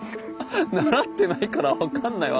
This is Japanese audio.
習ってないから分かんないわ。